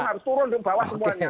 harus turun bawah semuanya